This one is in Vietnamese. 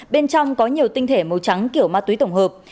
bên trong có nhiều tinh thể màu trắng kiểu ma túy tổng hợp